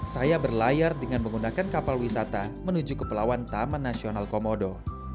saya berlayar dengan menggunakan kapal wisata menuju ke pelawan taman nasional komodo